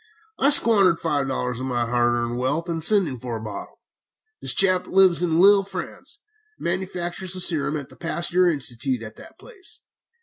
I squandered five dollars of my hard earned wealth in sending for a bottle. This chap lives at Lille, France, and manufactures his serum at the Pasteur Institute at that place.